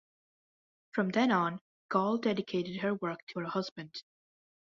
From then on, Goll dedicated her work to her husband.